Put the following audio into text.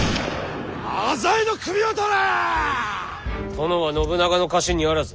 殿は信長の家臣にあらず。